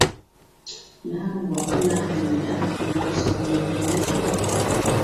Nnawe wafuna ebirabo ebyokusoma obulungi?